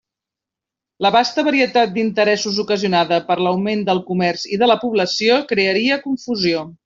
La vasta varietat d'interessos, ocasionada per l'augment del comerç i de la població, crearia confusió.